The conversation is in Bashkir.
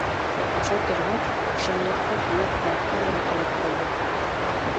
Ашай торғас, ашъяулыҡта һөйәк-һаяҡтар ғына тороп ҡалды.